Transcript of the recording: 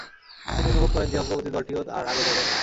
তিনি অনুভব করেন যে, অগ্রবর্তী দলটিও আর আগের জায়গায় নেই।